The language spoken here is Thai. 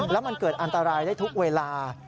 แล้วมันเกิดอันตรายได้ทุกเวลา